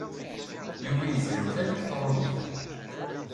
Yuba yezrew taliktṛunit.